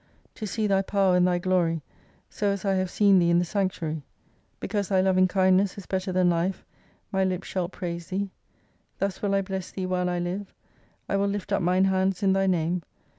To see Thy power and Thy glory so as I have seen Thee in the Sanctuary. Because Thy loving kindness is better than life, my lips shah praise Thee. Thus will I bless Thee while I live, I will lift up mine hands in Thy name.